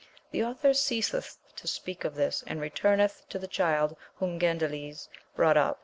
The author ceaseth to speak of this, and retumeth to the child whom Gandales brought up.